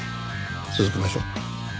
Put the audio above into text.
続けましょう。